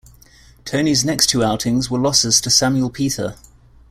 Toney's next two outings were losses to Samuel Peter.